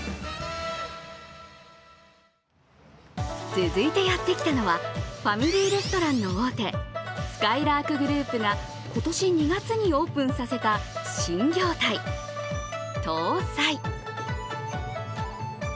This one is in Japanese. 続いてやってきたのはファミリーレストランの大手、すかいらーくグループが今年２月にオープンさせた新業態・桃菜。